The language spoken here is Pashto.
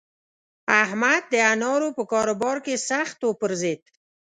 احمد د انارو په کاروبار کې سخت وپرځېد.